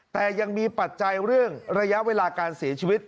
แต่ยังมีปัจจัยเรื่องระยะเวลาการเสียชีวิต